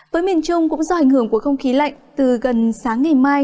với miền trung cũng do ảnh hưởng của không khí lạnh từ gần sáng ngày mai